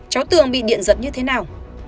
cháu tưởng bị điện giật như thế nào